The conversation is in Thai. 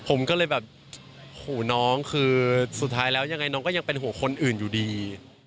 ผมก็เลยแบบหูน้องคือสุดท้ายแล้วยังไงน้องก็ยังเป็นหัวคนอื่นอยู่ดี